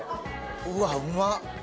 うわっうまっ！